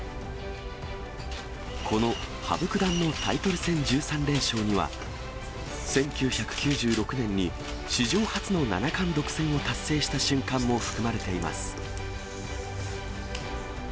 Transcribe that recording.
この羽生九段のタイトル戦１３連勝には、１９９６年に史上初の七冠独占を達成した瞬間も含まれています。